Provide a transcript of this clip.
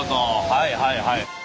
はいはいはい。